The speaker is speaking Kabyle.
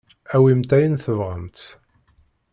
Awimt ayen tebɣamt.